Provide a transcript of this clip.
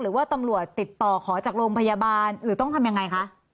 หรือว่าตำรวจติดต่อขอจากโรงพยาบาลหรือต้องทำยังไงคะ